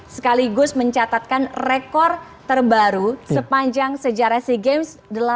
sekaligus mencatatkan rekor terbaru sepanjang sejarah si games delapan